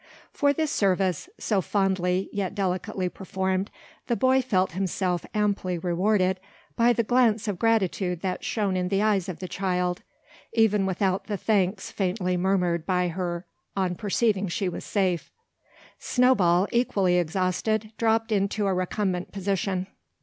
For this service, so fondly yet delicately performed, the boy felt himself amply rewarded by the glance of gratitude that shone in the eyes of the child, even without the thanks faintly murmured by her on perceiving she was safe. Snowball, equally exhausted, dropped into a recumbent position.